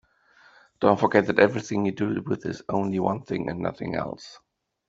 Don't forget that everything you deal with is only one thing and nothing else.